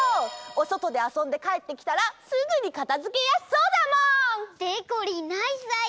おそとであそんでかえってきたらすぐにかたづけやすそうだもん！でこりんナイスアイデア！